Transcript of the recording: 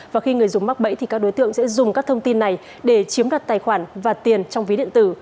và khi người dùng mắc bẫy thì các đối tượng sẽ dùng các thông tin này để chiếm đặt tài khoản và tiền trong ví điện tử